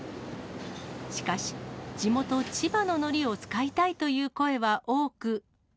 しかし、地元、千葉ののりを使いたいという声は多く。